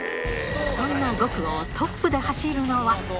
そんな５区をトップで走るのは。